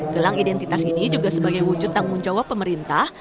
gelang identitas ini juga sebagai wujud tanggung jawab pemerintah